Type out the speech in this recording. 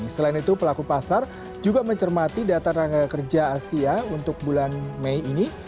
selain itu pelaku pasar juga mencermati data rangga kerja asia untuk bulan mei ini